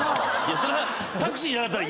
それは。